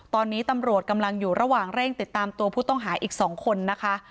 ตอนนี้ตำรวจกำลังอยู่ระหว่างเร่งติดตามตัวผู้ต้องหาอีก๒คนนะคะ